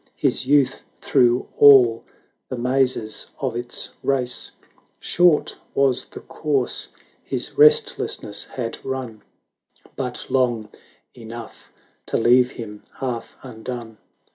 His youth through all the mazes of its race ; Short was the course his restlessness had run, But long enough to leave him half un done.